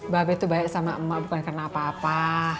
babay tuh baik sama emak bukan karena apa apa